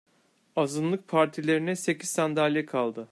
Azınlık partilerine sekiz sandalye kaldı.